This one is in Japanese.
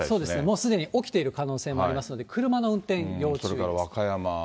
もうすでに起きている可能性もありますので、車の運転要注意。